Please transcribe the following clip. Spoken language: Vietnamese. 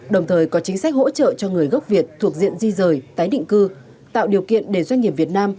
đồng thời có chính sách hỗ trợ cho người gốc việt thuộc diện di rời tái định cư tạo điều kiện để doanh nghiệp việt nam